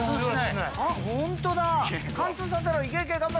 ホントだ。